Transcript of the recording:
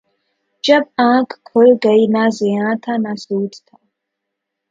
جب آنکھ کھل گئی، نہ زیاں تھا نہ سود تھا